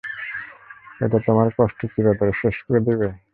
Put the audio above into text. এটা তোমার কষ্ট চিরতরে শেষ করে দিবে।